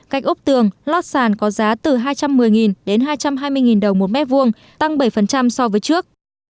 cách ốc tường lót sàn có giá từ hai trăm một mươi đến hai trăm hai mươi đồng một mét vuông tăng bảy so với trước